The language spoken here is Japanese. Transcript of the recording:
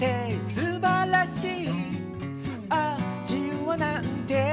すばらしい！